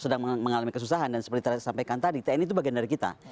sedang mengalami kesusahan dan seperti sampaikan tadi tni itu bagian dari kita